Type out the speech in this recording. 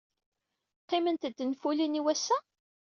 Qqiment-d tenfulin i wass-a?